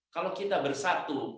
kalau kita bersatu